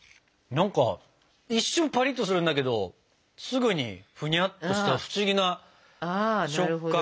何か一瞬パリッとするんだけどすぐにふにゃっとした不思議な食感。